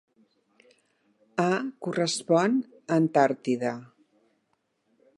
"A" correspon a Antàrtida.